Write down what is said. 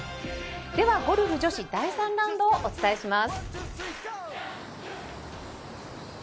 では女子ゴルフ第３ラウンドをお伝えします。